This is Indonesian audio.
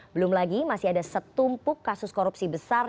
belum lagi masih ada setumpuk kasus korupsi besar